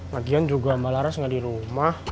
lagian juga mbak laras nggak di rumah